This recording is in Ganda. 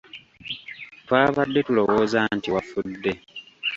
Twabadde tulowooza nti wafudde!